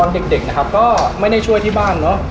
เด็กนะครับก็ไม่ได้ช่วยที่บ้านเนอะ